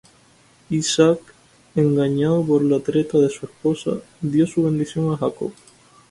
Isaac, engañado por la treta de su esposa, dio su bendición a Jacob.